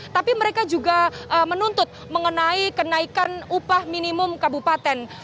tapi mereka juga menuntut mengenai kenaikan upah minimum kabupaten